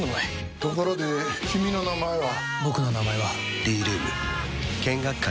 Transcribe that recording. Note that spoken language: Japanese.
ところで君の名前は？